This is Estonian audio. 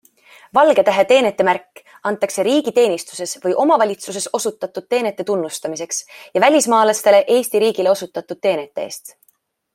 Valgetähe teenetemärk antakse riigiteenistuses või omavalitsuses osutatud teenete tunnustamiseks ja välismaalastele Eesti riigile osutatud teenete eest.